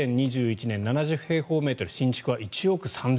２０２１年７０平方メートル新築は１億３０００万。